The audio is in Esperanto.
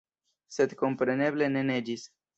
Sed kompreneble ne neĝis.